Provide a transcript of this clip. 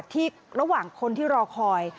ระหว่างคนที่รอคอย